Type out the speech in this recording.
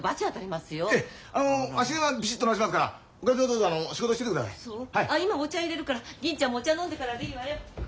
あ今お茶いれるから銀ちゃんもお茶飲んでからでいいわよ。